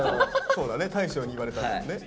そうだね大昇に言われたんだもんね。